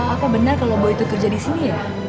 apa benar kalau boy tuh kerja disini ya